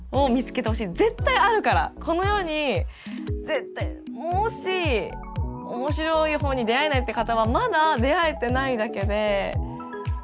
やっぱりもし面白い本に出会えないって方はまだ出会えてないだけでうん。